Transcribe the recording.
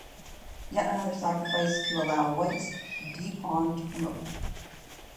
Yet another sacrifice to allow White's d-pawn to promote.